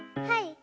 はい！